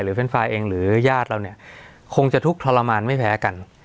แฟนไฟล์เองหรือญาติเราเนี่ยคงจะทุกข์ทรมานไม่แพ้กัน